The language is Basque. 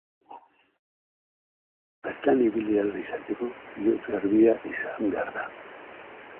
Bertan ibili ahal izateko bihotz garbia izan behar da.